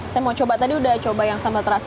saya mau coba tadi udah coba yang sambal terasa